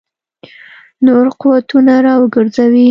نور قوتونه را وګرځوي.